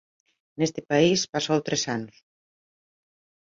Neste país pasou tres anos.